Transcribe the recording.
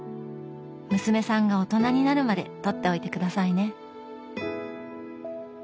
娘さんが大人になるまで取っておいて下さいね。